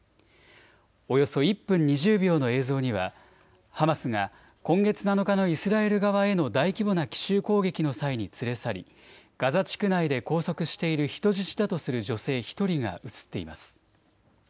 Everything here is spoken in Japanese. およそ１分２０秒の映像にはハマスが今月７日のイスラエル側への大規模な奇襲攻撃の際に連れ去りガザ地区内で拘束している人質だとする女性１人が映っています。